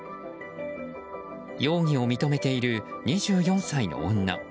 容疑を認めている２４歳の女。